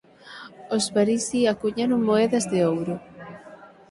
Os Parisii acuñaron moedas de ouro.